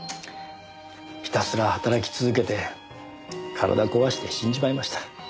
ひたすら働き続けて体壊して死んじまいました。